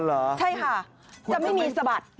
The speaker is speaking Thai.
เหรอใช่ค่ะจะไม่มีสะบัด